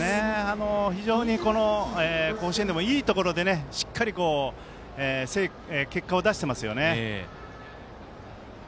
非常に、この甲子園でもいいところでしっかり結果を出してますよね。